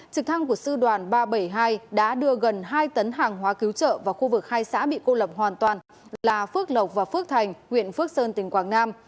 trực thăng của sư đoàn ba trăm bảy mươi hai đã đưa gần hai tấn hàng hóa cứu trợ vào khu vực hai xã bị cô lập hoàn toàn là phước lộc và phước thành huyện phước sơn tỉnh quảng nam